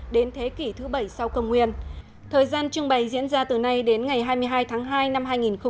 đến thế kỷ thứ bảy sau công nguyên thời gian trưng bày diễn ra từ nay đến ngày hai mươi hai tháng hai năm hai nghìn hai mươi